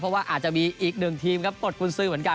เพราะว่าอาจจะมีอีกหนึ่งทีมครับปลดคุณซื้อเหมือนกัน